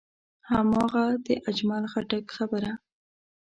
هماغه د اجمل خټک خبره.